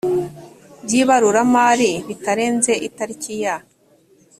by ibaruramari bitarenze itariki ya